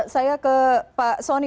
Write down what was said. saya ke pak soni